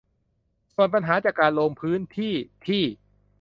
ส่วนปัญหาจากการลงพื้นที่ที่